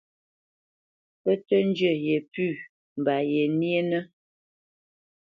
Pə́ tə́ njə yepʉ̂ mba yenyénə́.